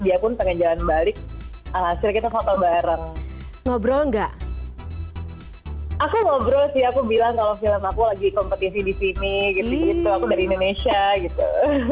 aku ngobrol sih aku bilang kalau film aku lagi kompetisi di sini aku dari indonesia gitu